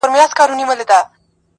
• څه عاشقانه څه مستانه څه رندانه غزل,